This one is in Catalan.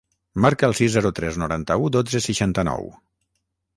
Marca el sis, zero, tres, noranta-u, dotze, seixanta-nou.